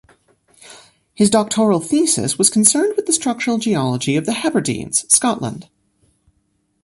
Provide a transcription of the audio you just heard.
His doctoral thesis was concerned with the structural geology of the Hebrides, Scotland.